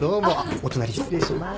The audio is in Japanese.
お隣失礼しまーす。